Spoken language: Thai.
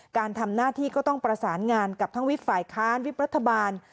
การทำหน้าที่ก็ต้องประสานงานกับทั้งวิบฝ่ายค้านวิบรัฐบาล